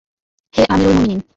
হে আমীরুল মুমিনীন!